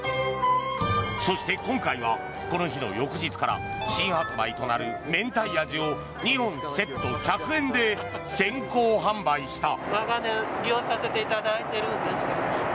そして、今回はこの日の翌日から新発売となるめんたい味を２本セット１００円で先行販売した。